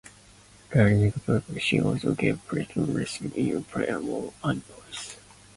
During that period she also gave private lessons in piano and voice.